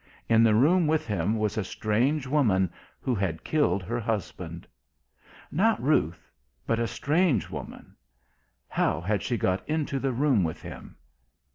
In the room with him was a strange woman who had killed her husband. Not Ruth but a strange woman. How had she got into the room with him?